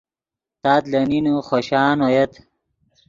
تات لے نین خوشان اویت